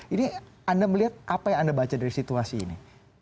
ini anda melihat apa yang anda baca dari situasi ini